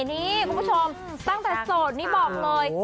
นี่คุณผู้ชมตั้งแต่โสดนี่บอกเลย